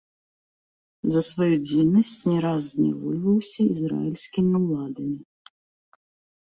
За сваю дзейнасць не раз знявольваўся ізраільскімі ўладамі.